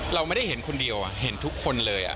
เราไม่ได้เห็นคนเดียวเห็นทุกคนเลย